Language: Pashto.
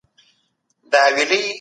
خپل ذهن له کرکي څخه پاک وساتئ.